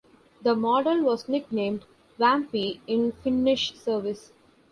The model was nicknamed "Vamppi" in Finnish service.